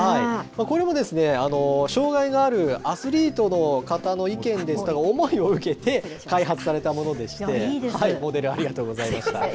これは、障害があるアスリートの方の意見や思いを受けて、開発されたものでして、モデル、ありがとうございました。